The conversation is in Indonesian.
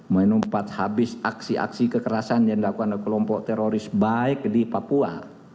menumpat habis aksi aksi kekerasan yang dilakukan oleh kelompok teroris baik di papua